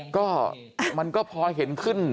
ก็มันก็พอเห็นขึ้น